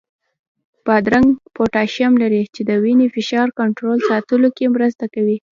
بادرنګ پوتاشیم لري، چې د وینې فشار کنټرول ساتلو کې مرسته کوي.